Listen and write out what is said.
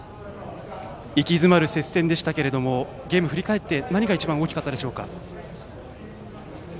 息詰まる接戦でしたがゲームを振り返って何が一番大きかったでしょうか？